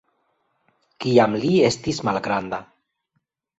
Kiam li estis malgranda.